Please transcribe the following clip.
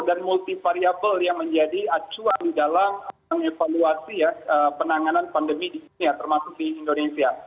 dan multi variable yang menjadi acuan di dalam evaluasi ya penanganan pandemi di indonesia